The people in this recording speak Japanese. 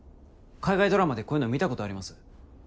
海外ドラマでこういうの見たことあります。